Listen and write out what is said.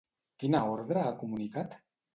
Quina ordre ha comunicat?